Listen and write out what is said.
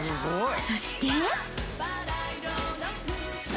そして］